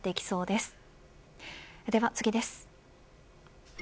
では次です。